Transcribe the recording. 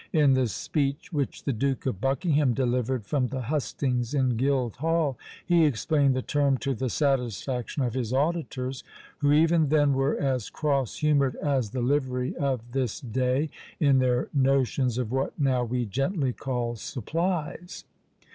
In the speech which the Duke of Buckingham delivered from the hustings in Guildhall, he explained the term to the satisfaction of his auditors, who even then were as cross humoured as the livery of this day, in their notions of what now we gently call "supplies."